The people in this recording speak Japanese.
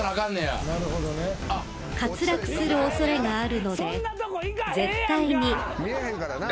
［滑落する恐れがあるので絶対に］